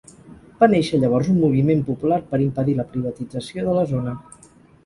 Va néixer llavors un moviment popular per impedir la privatització de la zona.